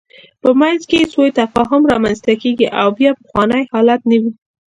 په منځ کې یې سوء تفاهم رامنځته کېږي او بیا پخوانی حالت نه وي.